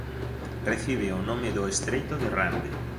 Recibe o nome do estreito de Rande.